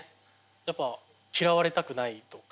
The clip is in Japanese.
やっぱ嫌われたくないとか。